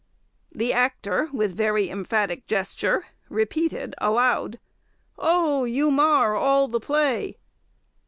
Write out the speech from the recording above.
The actor, with very emphatic gesture, repeated aloud, "Oh, you marre all the play."